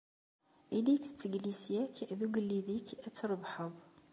Ili-k d teglisya-k d ugellid-ik, ad trebḥeḍ.